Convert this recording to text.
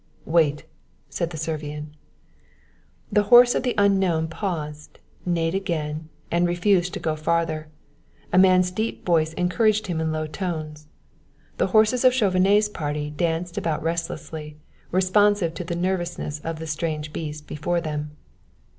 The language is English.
"Wait!" said the Servian. The horse of the unknown paused, neighed again, and refused to go farther. A man's deep voice encouraged him in low tones. The horses of Chauvenet's party danced about restlessly, responsive to the nervousness of the strange beast before them.